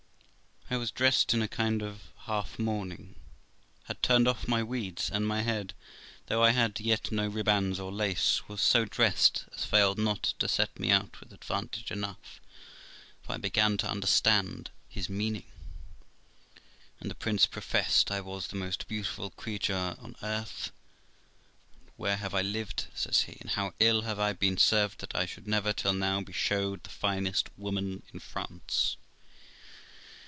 I was dressed in a kind of half mourning, had turned off my weeds, and my head, 'though I had yet no ribands or lace, was so dressed as failed not to set me out with advantage enough, for I began to understand his meaning; and the prince professed I was the most beautiful creature on earth. ' And where have I lived ', says he, ' and how ill have I been served, that I should never till now be showed the finest woman in France!'